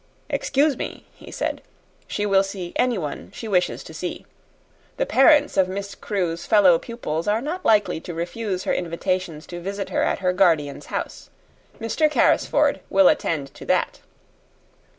"Excuse me," he said; "she will see anyone she wishes to see. The parents of Miss Crewe's fellow pupils are not likely to refuse her invitations to visit her at her guardian's house. Mr. Carrisford will attend to that."